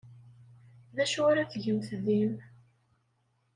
D acu ara tgemt din?